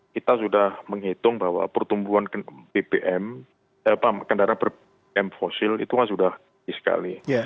kita sudah menghitung bahwa pertumbuhan kendaraan bbm fosil itu sudah gini sekali